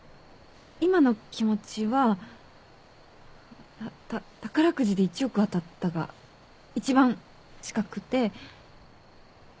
今の気持ちはたったっ「宝くじで１億当たった」が一番近くて。